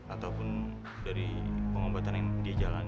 ataupun dari pengobatan yang diajakkan